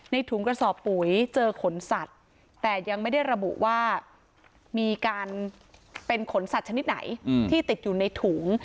ถุงกระสอบปุ๋ยเจอขนสัตว์แต่ยังไม่ได้ระบุว่ามีการเป็นขนสัตว์ชนิดไหนที่ติดอยู่ในถุง